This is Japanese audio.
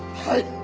はい！